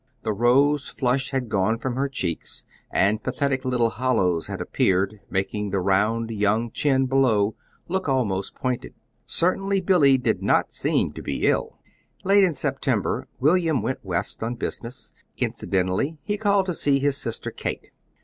The rose flush had gone from her cheeks, and pathetic little hollows had appeared, making the round young chin below look almost pointed. Certainly Billy did seem to be ill. Late in September William went West on business. Incidentally he called to see his sister, Kate.